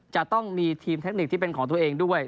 จะต้องมีทีมเทคนิคที่เป็นของตัวเองด้วย